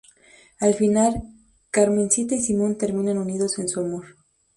Al final, Carmencita y Simón terminan unidos en su amor.